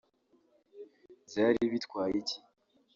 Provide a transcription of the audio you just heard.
byari bitwaye iki